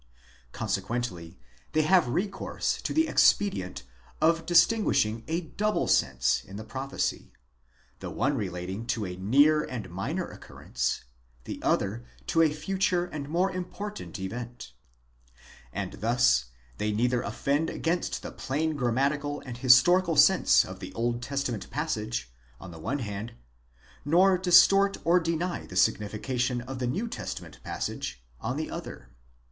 Consequently, they have recourse to the ex pedient of distinguishing a double sense in the prophecy; the one relating to a near and minor occurrence, the other to a future and more important event; and thus they neither offend against the plain grammatical and historical sense of the Old Testament passage on the one hand, nor distort or deny the signification of the New Testament passage on the other.?